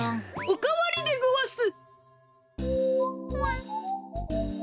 おかわりでごわす！